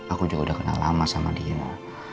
aku juga udah kenal lama sama dia